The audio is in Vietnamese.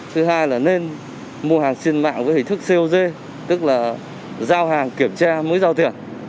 thứ hai là nên mua hàng trên mạng với hình thức cog tức là giao hàng kiểm tra mới giao tiền